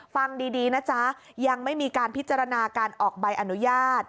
ฟังดีนะจ๊ะยังไม่มีการพิจารณาการออกใบอนุญาต